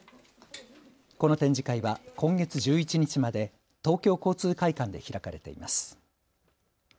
この展示会は今月１１日まで東京交通会館で開かれています。